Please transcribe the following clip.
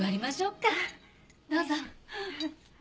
どうぞ。